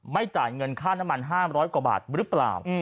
จ่ายเงินค่าน้ำมัน๕๐๐กว่าบาทหรือเปล่า